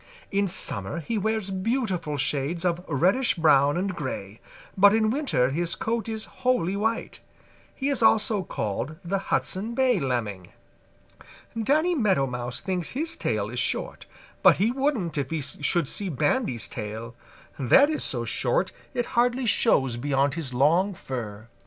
In summer he wears beautiful shades of reddish brown and gray, but in winter his coat is wholly white. He is also called the Hudson Bay Lemming. "Danny Meadow Mouse thinks his tail is short, but he wouldn't if he should see Bandy's tail. That is so short it hardly shows beyond his long fur.